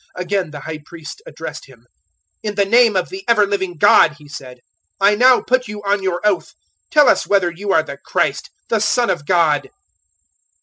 Again the High Priest addressed Him. "In the name of the ever living God," he said, "I now put you on your oath. Tell us whether you are the Christ, the Son of God."